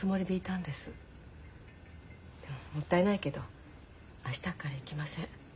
もったいないけど明日っから行きません。